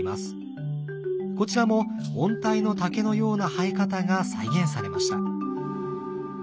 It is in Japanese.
こちらも温帯の竹のような生え方が再現されました。